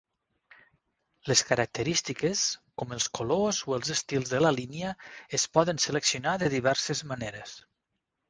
Les característiques com els colors o els estils de la línia es poden seleccionar de diverses maneres.